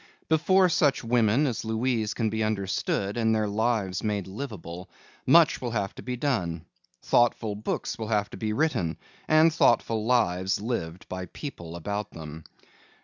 Before such women as Louise can be understood and their lives made livable, much will have to be done. Thoughtful books will have to be written and thoughtful lives lived by people about them.